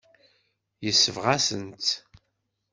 Yesbeɣ-asen-tt.